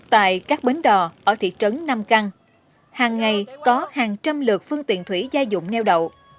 tại các bến đò ở thị trấn nam căng hàng ngày có hàng trăm lượt phương tiện thủy gia dụng neo đậu